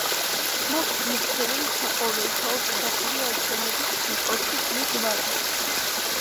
მას ირჩევენ საყოველთაო პირდაპირი არჩევნების გზით, ოთხი წლის ვადით.